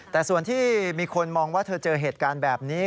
แต่ส่วนที่มีคนมองว่าเธอเจอเหตุการณ์แบบนี้